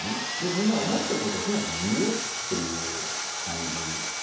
みんな思ってることをとにかく言うっていう感じだったからね。